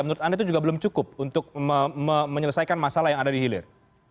menurut anda itu juga belum cukup untuk menyelesaikan masalah yang ada di hilir